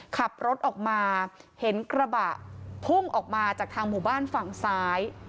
ขับรถออกมาเห็นกระบะพุ่งออกมาจากทางหมู่บ้านฝั่งซ้าย